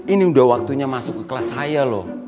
ini udah waktunya masuk ke kelas saya loh